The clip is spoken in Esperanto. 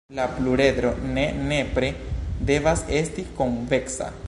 La pluredro ne nepre devas esti konveksa.